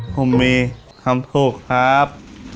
ผมมีคำถูกครับ